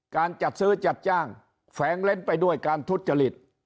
การจัดซื้อจัดจ้างแฝงเล่นไปด้วยการทุจริต